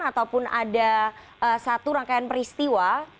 ataupun ada satu rangkaian peristiwa